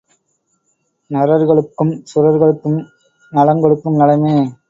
நரர்களுக்கும் சுரர்களுக்கும் நலங்கொடுக்கும் நலமே!